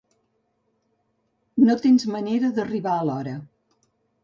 No tens manera d'arribar a l'hora.